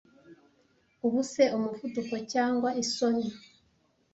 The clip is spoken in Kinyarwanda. Ubuse umuvuduko cyangwa isoni,